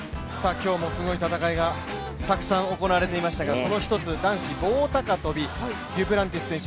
今日もすごい戦いがたくさん行われていましたけどその一つ男子棒高跳、デュプランティス選手